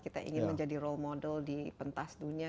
kita ingin menjadi role model di pentas dunia